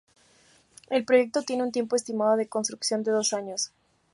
El proyecto tiene un tiempo estimado de construcción de dos años.